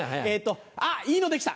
あっいいのできた！